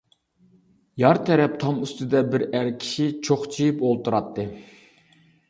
يار تەرەپ تام ئۈستىدە بىر ئەر كىشى چوقچىيىپ ئولتۇراتتى.